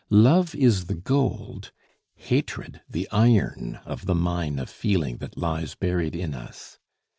Love is the gold, hatred the iron of the mine of feeling that lies buried in us.